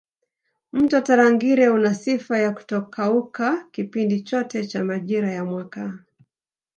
Mto Tarangire una sifa ya kutokauka kipindi chote cha majira ya mwaka